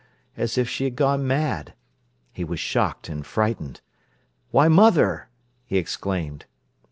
as if she had gone mad. He was shocked and frightened. "Why, mother!" he exclaimed.